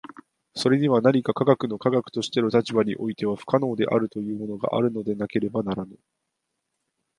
それには何か科学の科学としての立場においては不可能であるというものがあるのでなければならぬ。